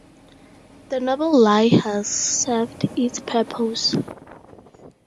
The 'noble lie' has served its purpose.